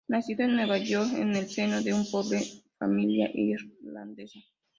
Nacido en Nueva York en el seno de una pobre familia irlandesa.